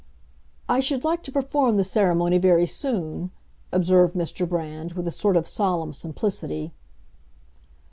"I should like to perform the ceremony very soon," observed Mr. Brand, with a sort of solemn simplicity.